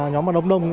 nhóm bà đông đông